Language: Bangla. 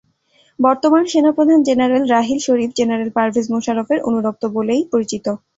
বর্তমান সেনাপ্রধান জেনারেল রাহিল শরিফ জেনারেল পারভেজ মোশাররফের অনুরক্ত বলেই পরিচিত।